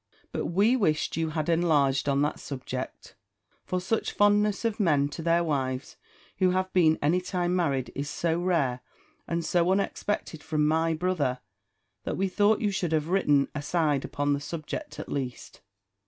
But we wished you had enlarged on that subject: for such fondness of men to their wives, who have been any time married, is so rare, and so unexpected from my brother, that we thought you should have written a side upon that subject at least.